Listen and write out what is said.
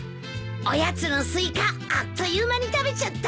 おやつのスイカあっという間に食べちゃった。